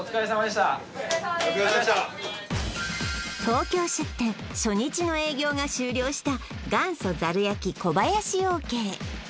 ＪＴ東京出店初日の営業が終了した元祖ざる焼小林養鶏